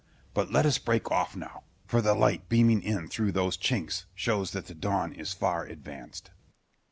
But let us break off now; for the light beaming in through those chinks shows that the dawn is far advanced.